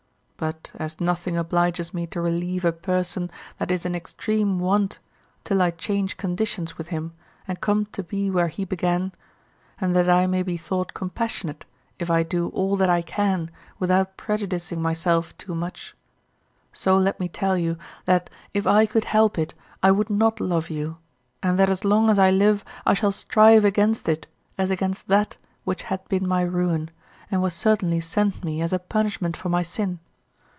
But as nothing obliges me to relieve a person that is in extreme want till I change conditions with him and come to be where he began, and that I may be thought compassionate if I do all that I can without prejudicing myself too much, so let me tell you, that if I could help it, I would not love you, and that as long as I live I shall strive against it as against that which had been my ruin, and was certainly sent me as a punishment for my sin.